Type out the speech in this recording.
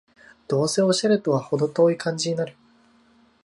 どうせオシャレとはほど遠い感じになる